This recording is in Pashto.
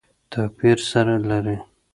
توپیر سره لري.